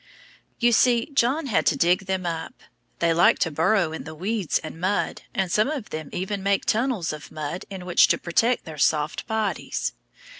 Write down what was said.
You see, John had to dig them up; they like to burrow in the weeds and mud, and some of them even make tunnels of mud in which to protect their soft bodies.